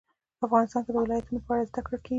افغانستان کې د ولایتونو په اړه زده کړه کېږي.